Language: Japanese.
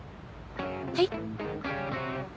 はい？